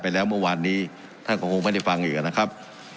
แล้วเมื่อวานนี้ท่านก็คงไม่ได้ฟังอีกนะครับ